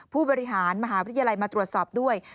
ผู้บริหารมหาวิทยาลัยมาตรวจสอบด้วย